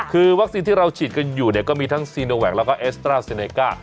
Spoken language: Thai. คือวัคซีนที่เราฉีดกันอยู่เนี่ยก็มีทั้งซีโนแวคแล้วก็เอสตราเซเนก้า